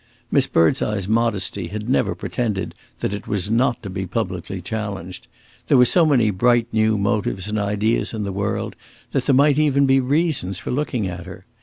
Miss Birdseye's modesty had never pretended that it was not to be publicly challenged; there were so many bright new motives and ideas in the world that there might even be reasons for looking at her.